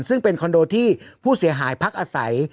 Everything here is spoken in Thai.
ซึ่งเป็นคอนโดที่ผู้เสียหายพักอาศัย